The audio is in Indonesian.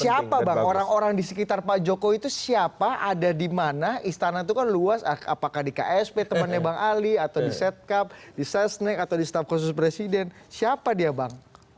siapa bang orang orang di sekitar pak jokowi itu siapa ada di mana istana itu kan luas apakah di ksp temannya bang ali atau di setcap di sesnek atau di staf khusus presiden siapa dia bang